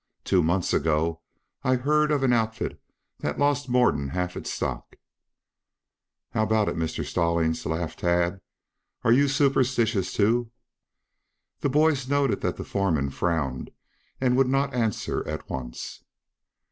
Two months ago I heard of an outfit that lost more'n half its stock." "How about it, Mr. Stallings?" laughed Tad. "Are you superstitious, too?" The boys noted that the foreman frowned and would not answer at once.